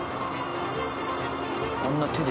あんな手で。